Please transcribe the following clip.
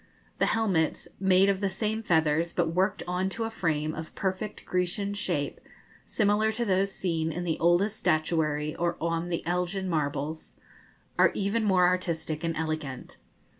The helmets, made of the same feathers, but worked on to a frame of perfect Grecian shape, similar to those seen in the oldest statuary or on the Elgin marbles, are even more artistic and elegant.